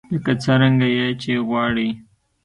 لکه څرنګه يې چې غواړئ.